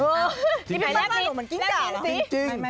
มันกิ้งกาหรอ